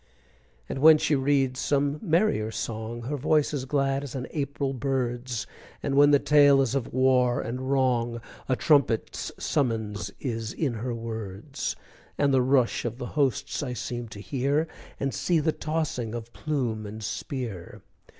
And when she reads some merrier song, Her voice is glad as an April bird's, And when the tale is of war and wrong, A trumpet's summons is in her words, And the rush of the hosts I seem to hear, And see the tossing of plume and spear!